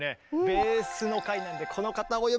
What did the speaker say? ベースの回なんでこの方をお呼びしなきゃ！